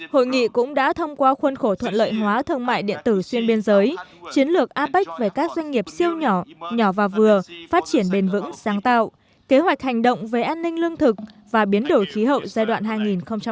hội nghị cũng đã thông qua khuôn khổ thuận lợi hóa thương mại điện tử xuyên biên giới chiến lược apec về các doanh nghiệp siêu nhỏ nhỏ và vừa phát triển bền vững sáng tạo kế hoạch hành động về an ninh lương thực và biến đổi khí hậu giai đoạn hai nghìn một mươi chín hai nghìn hai mươi